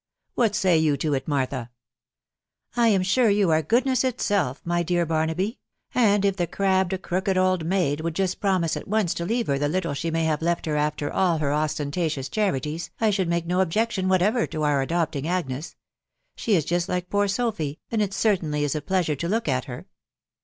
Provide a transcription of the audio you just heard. ... What say you. to it, Martha?" " I am sure you are goodness itself, my dear Barnaby ; and if the crabbed, crooked old maid would just promise at once to leave her the little she may have left after all her ostentatious •charities, I should make no objection whatever to our adopting Agnes. She is just like poor Sophy, and it certainly is a plea sure to look at her."